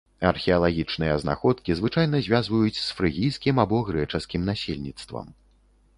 Археалагічныя знаходкі звычайна звязваюць з фрыгійскім або грэчаскім насельніцтвам.